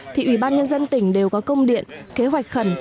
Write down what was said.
thì ủy ban nhân dân tỉnh đều có công điện kế hoạch khẩn